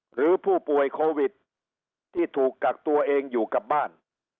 หรือผู้ป่วยโควิดที่ถูกกักตัวเองอยู่กับบ้าน